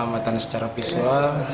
lima ratus meter dari pantai